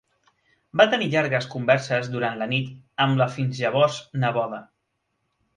Va tenir llargues converses durant la nit amb la fins llavors neboda.